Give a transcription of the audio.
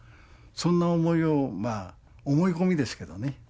そんな思いをまぁ思い込みですけどね